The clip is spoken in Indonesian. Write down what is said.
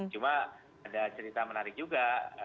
cuma ada cerita menarik juga